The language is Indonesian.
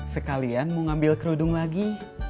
sekalian mau ngambil kerudung lagi